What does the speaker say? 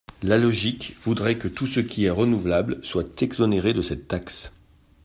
La logique voudrait que tout ce qui est renouvelable soit exonéré de cette taxe.